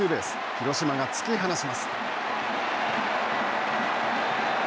広島が突き放します。